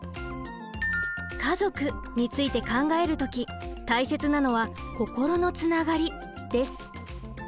「家族」について考える時大切なのは心のつながりです。